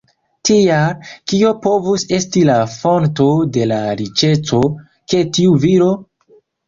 Tial, kio povus esti la fonto de la riĉeco de tiu viro?